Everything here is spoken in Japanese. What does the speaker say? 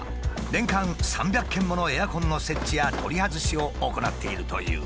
年間３００件ものエアコンの設置や取り外しを行っているという。